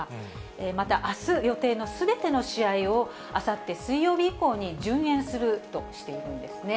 またあす、予定のすべての試合を、あさって水曜日以降に順延するとしているんですね。